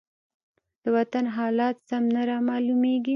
د وطن حالات سم نه رامالومېږي.